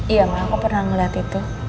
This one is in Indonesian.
iya pak aku pernah ngeliat itu